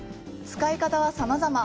使い方はさまざま。